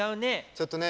ちょっとね